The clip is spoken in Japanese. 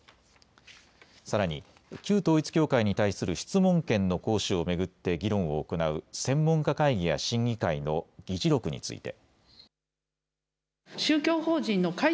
さらに旧統一教会に対する質問権の行使を巡って議論を行う専門家会議や審議会の議事録について。